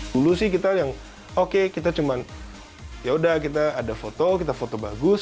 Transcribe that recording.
dulu sih kita yang oke kita cuma yaudah kita ada foto kita foto bagus